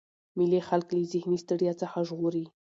مېلې خلک له ذهني ستړیا څخه ژغوري.